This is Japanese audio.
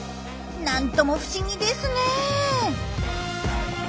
なんとも不思議ですねえ。